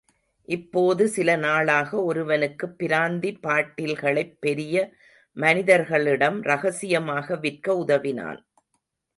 இப்போது சில நாளாக, ஒருவனுக்குப் பிராந்தி பாட்டில்களைப் பெரிய மனிதர்களிடம் ரகசியமாக விற்க உதவினான்.